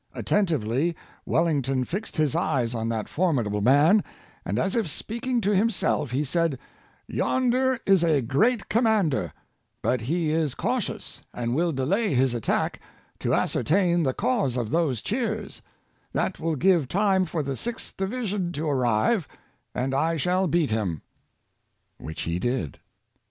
At tentively Wellington fixed his eyes on that formidable man, and, as if speaking to himself, he said: "Yonder is a great commander; but he is cautious, and will de lay his attack to ascertain the cause of those cheers; that will give time for the Sixth Division to arrive, and I shall beat him," which he did.